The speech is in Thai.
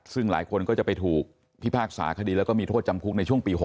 ซึ่งหลายคนก็จะไปถูกพิพากษาคดีแล้วก็มีโทษจำคุกในช่วงปี๖๖